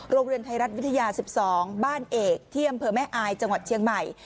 โรงเรียนไทยรัฐวิทยา๑๒บ้านเอกที่อำเภอแม่อายจังหวัดเชียงใหม่